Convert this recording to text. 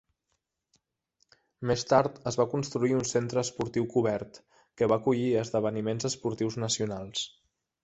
Més tard es va construir un centre esportiu cobert, que va acollir esdeveniments esportius nacionals.